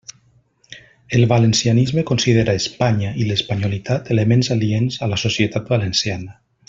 El valencianisme considera Espanya i l'espanyolitat elements aliens a la societat valenciana.